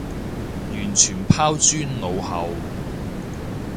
完全拋諸腦後